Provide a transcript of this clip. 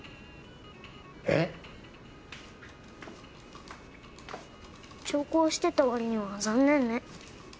えっ？長考してたわりには残念ね。